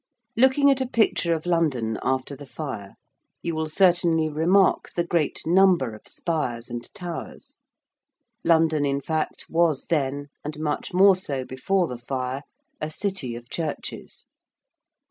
Looking at a picture of London after the Fire, you will certainly remark the great number of spires and towers. London, in fact, was then, and much more so before the Fire, a city of churches.